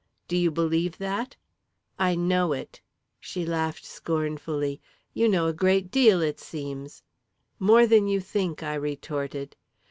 "Do you believe that?" "I know it!" She laughed scornfully. "You know a great deal, it seems." "More than you think," I retorted.